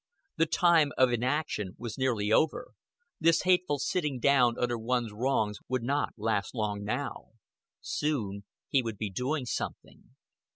The time of inaction was nearly over; this hateful sitting down under one's wrongs would not last long now; soon he would be doing something.